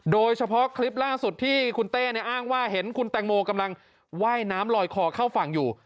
โดยเฉพาะคลิปล่าสุดที่คุณเต้อ้างว่าเห็นคุณแตงโมกำลังว่ายน้ำลอยคอเข้าฝั่งอยู่